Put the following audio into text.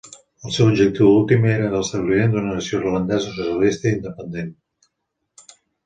El seu objectiu últim era l'establiment d'una nació irlandesa socialista i independent.